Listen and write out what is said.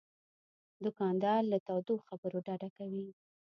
دوکاندار له تودو خبرو ډډه کوي.